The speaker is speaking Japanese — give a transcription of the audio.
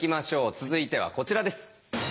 続いてはこちらです。